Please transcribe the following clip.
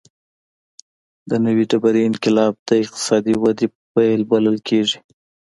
د نوې ډبرې انقلاب د اقتصادي ودې پیل بلل کېږي.